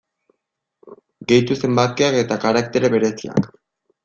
Gehitu zenbakiak eta karaktere bereziak.